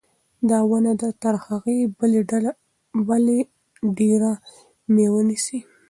دا ونه تر هغې بلې ډېره مېوه نیسي.